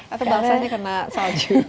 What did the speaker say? atau bahasanya kena salju